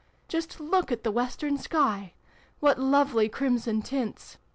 "Just look at the western sky! What lovely crimson tints